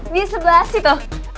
di sebelah situ